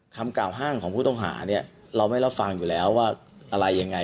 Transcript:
คำกล่าวอ้างของผู้ต้องหาเนี่ยเราไม่รับฟังอยู่แล้วว่าอะไรยังไง